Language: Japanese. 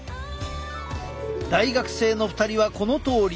大学生の２人はこのとおり。